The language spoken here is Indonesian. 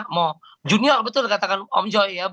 mau junior betul katakan om joy ya